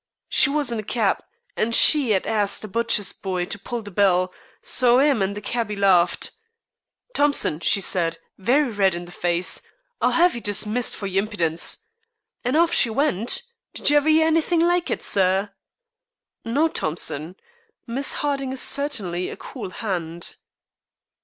She was in a keb, and she 'ad asked a butcher's boy to pull the bell, so 'im and the cabby larfed. 'Thompson,' she said, very red in the face, 'I'll 'ave you dismissed for your impidence.' An' off she went. Did you ever 'ear anythink like it, sir?" "No, Thompson, Miss Harding is certainly a cool hand."